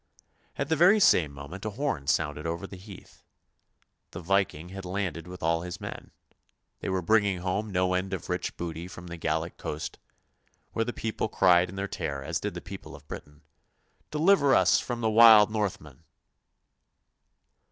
At the very same moment a horn sounded over the heath. The Viking had landed with all his men; they were bringing home no end of rich booty from the Gallic coast, where the people cried in their terror as did the people of Britain, —" Deliver us from the wild Northmen!